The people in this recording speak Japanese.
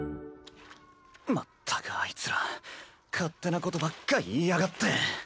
まったくあいつら勝手なことばっか言いやがって。